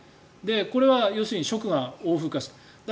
これは要するに食が欧風化して。